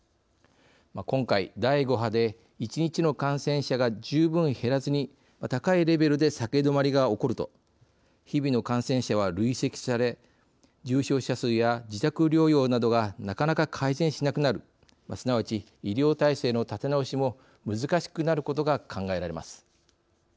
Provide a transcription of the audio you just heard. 今回第５波で１日の感染者が十分減らずに高いレベルで下げ止まりが起こると日々の感染者は累積され重症者数や自宅療養などがなかなか改善しなくなるすなわち医療体制の立て直しも難しくなることが考えられます。